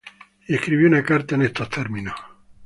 Y escribió una carta en estos términos: